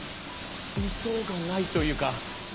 ウソがないというか。